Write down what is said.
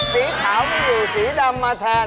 สีขาวมีอยู่สีดำมาแทน